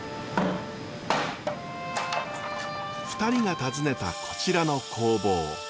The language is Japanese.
２人が訪ねたこちらの工房。